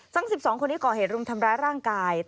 ๑๒คนนี้ก่อเหตุรุมทำร้ายร่างกาย